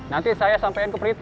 nanti saya sampein ke perintah